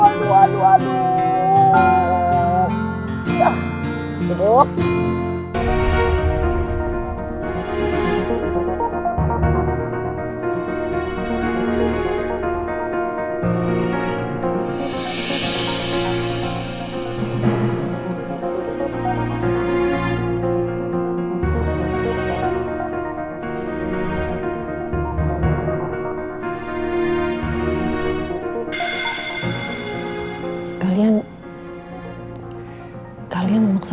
aduh aduh aduh